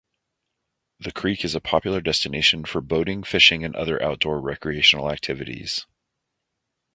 The creek is a popular destination for boating, fishing and other outdoor recreational activities.